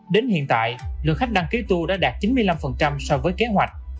đến hiện tại lượng khách đăng ký tour đã đạt chín mươi năm so với kế hoạch